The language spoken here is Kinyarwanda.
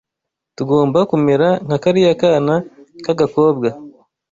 tugomba kumera nka kariya kana k’agakobwa